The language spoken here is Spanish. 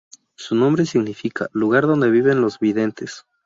Su nombre significa "lugar donde viven los videntes".